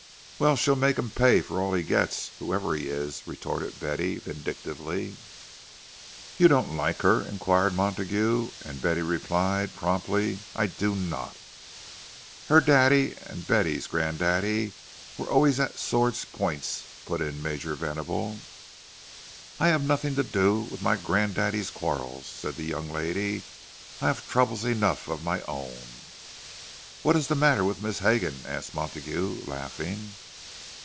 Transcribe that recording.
"Well, she'll make him pay for all he gets, whoever he is!" retorted Betty, vindictively. "You don't like her?" inquired Montague; and Betty replied promptly, "I do not!" "Her daddy and Betty's granddaddy are always at swords' points," put in Major Venable. "I have nothing to do with my granddaddy's quarrels," said the young lady. "I have troubles enough of my own." "What is the matter with Miss Hegan?" asked Montague, laughing.